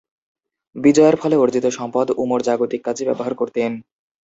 বিজয়ের ফলে অর্জিত সম্পদ উমর জাগতিক কাজে ব্যবহার করতেন।